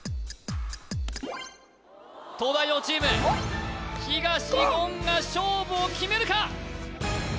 東大王チーム東言が勝負を決めるか？